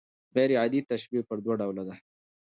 غير عادي تشبیه پر دوه ډوله ده.